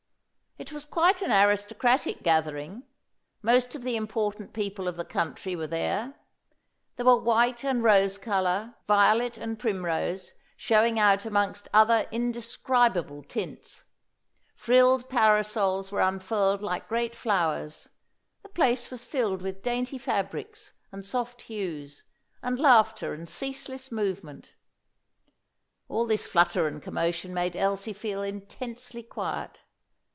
It was quite an aristocratic gathering; most of the important people of the country were there. There were white and rose colour, violet and primrose, showing out amongst other indescribable tints. Frilled parasols were unfurled like great flowers; the place was filled with dainty fabrics, and soft hues, and laughter and ceaseless movement. All this flutter and commotion made Elsie feel intensely quiet.